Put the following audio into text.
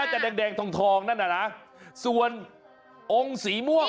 อันไหนแดงน่าจะแดงทองนั่นน่ะนะส่วนองค์สีม่วง